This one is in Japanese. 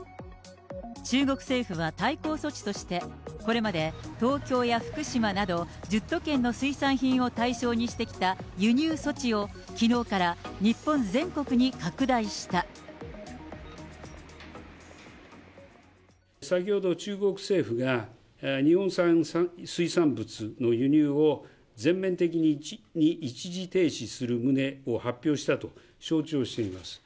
中国政府は対抗措置として、これまで東京や福島など、１０都県の水産品を対象にしてきた輸入措置をきのうから日本全国先ほど、中国政府が日本産水産物の輸入を全面的に一時停止する旨を発表したと承知をしています。